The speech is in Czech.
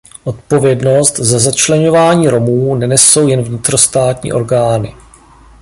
Odpovědnost za začleňování Romů nenesou jen vnitrostátní orgány.